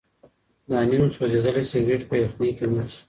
دا نیم سوځېدلی سګرټ په یخنۍ کې مړ شو.